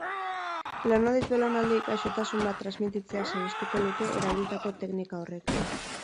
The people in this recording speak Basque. Belaunaldiz belaunaldi gaixotasun bat transmititzea saihestuko luke erabilitako teknika horrek.